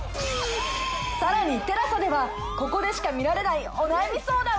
更に ＴＥＬＡＳＡ ではここでしか見られないお悩み相談を配信中！